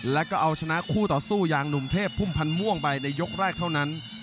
แล้วก็เอาชนะคู่ต่อสู้อย่างหนุ่มเทพพุ่มพันธ์ม่วงไปในยกแรกเท่านั้น